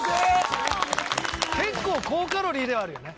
結構高カロリーではあるよね。